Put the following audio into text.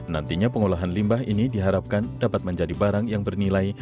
nantinya pengolahan limbah ini diharapkan dapat menjadi barang yang bernilai